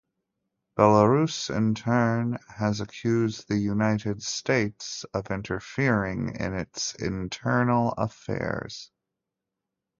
Belarus, in turn, has accused the United States of interfering in its internal affairs.